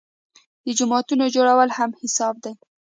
د جوماتونو جوړول هم حساب دي.